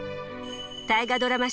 「大河ドラマ」